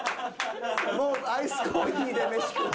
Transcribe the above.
もうアイスコーヒーで飯食う。